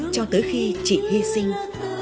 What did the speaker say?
cho tới khi chỉ hy sinh